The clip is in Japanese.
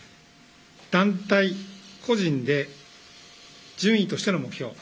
団体、個人で順位としての目標。